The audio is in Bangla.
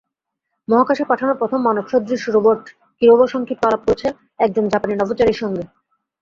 মহাকাশে পাঠানো প্রথম মানবসদৃশ রোবট কিরোবো সংক্ষিপ্ত আলাপ করেছে একজন জাপানি নভোচারীর সঙ্গে।